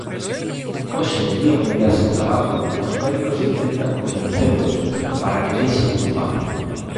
Hoxe, Día Mundial sen Tabaco, os médicos intentan convencelos para que deixen de fumar.